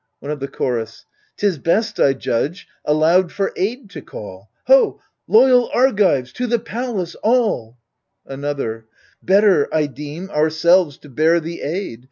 One of the Chorus 'Tis best, I judge, aloud for aid to call, " Ho I loyal Argives ! to the palace, all 1 " Another Better, I deem, ourselves to bear the aid.